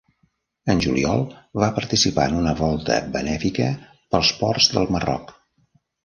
En juliol, va participar en una volta benèfica pels ports del Marroc.